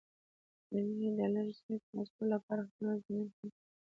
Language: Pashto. علي د لږ ځمکې تر لاسه کولو لپاره خپل ضمیر خرڅ کړ.